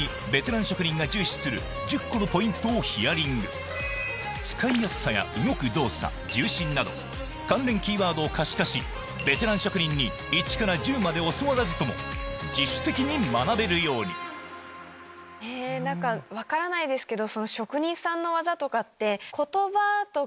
例えば岩手県で実際に使いやすさや動く動作重心など関連キーワードを可視化しベテラン職人に１から１０まで教わらずとも自主的に学べるように分からないですけど。